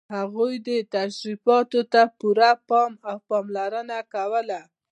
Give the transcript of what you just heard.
هغوی دې تشریفاتو ته پوره پام او پاملرنه کوله.